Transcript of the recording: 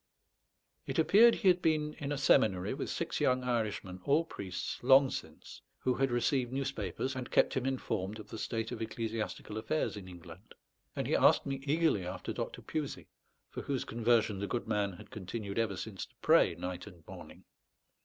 It appeared he had been in a seminary with six young Irishmen, all priests, long since, who had received newspapers and kept him informed of the state of ecclesiastical affairs in England. And he asked me eagerly after Dr. Pusey, for whose conversion the good man had continued ever since to pray night and morning.